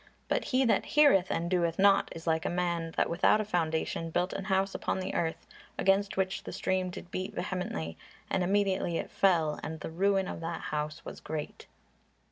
But he that heareth, and doeth not, is like a man that without a foundation built an house upon the earth; against which the stream did beat vehemently, and immediately it fell; and the ruin of that house was great."